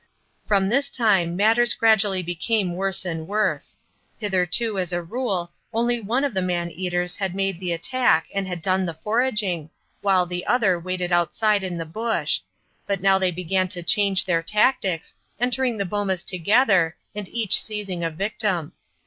From this time matters gradually became worse and worse. Hitherto, as a rule, only one of the man eaters had made the attack and had done the foraging, while the other waited outside in the bush; but now they began to change their tactics, entering the bomas together and each seizing a victim.